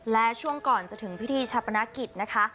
และช่วงก่อนจะถึงพิธีชาปนกิจนะคะ